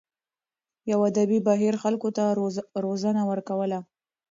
یوه ادبي بهیر خلکو ته روزنه ورکوله.